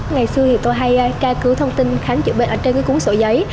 ngày xưa tôi hay ca cứu thông tin khám chữa bệnh ở trên cuốn sổ giấy